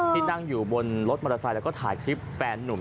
ที่นั่งอยู่บนรถมอเตอร์ไซค์แล้วก็ถ่ายคลิปแฟนนุ่ม